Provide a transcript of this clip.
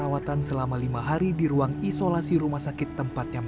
hari ini kami kehilangan seorang sahabat kami